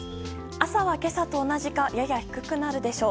朝は、今朝と同じかやや低くなるでしょう。